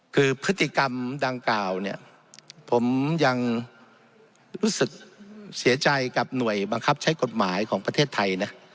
คือพฤติกรรมดังกล่าวเนี่ยผมยังรู้สึกเสียใจกับหน่วยบังคับใช้กฎหมายของประเทศไทยนะ